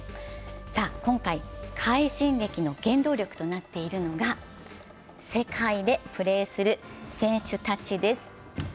今回、快進撃の原動力となっているのが、世界でプレーする選手たちです。